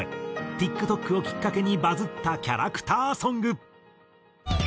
ＴｉｋＴｏｋをきっかけにバズったキャラクターソング。